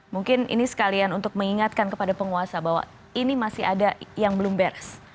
mungkin ini sekalian untuk mengingatkan kepada penguasa bahwa ini masih ada yang belum beres